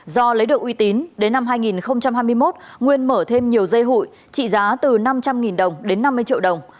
do lấy được uy tín đến năm hai nghìn hai mươi một nguyên mở thêm nhiều dây hụi trị giá từ năm trăm linh đồng đến năm mươi triệu đồng